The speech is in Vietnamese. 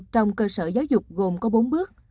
trong cơ sở giáo dục gồm có bốn bước